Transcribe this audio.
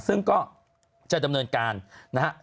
ซึ่งก็จะดำเนินการนะฮะ